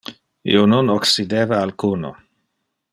Io non occideva alcuno.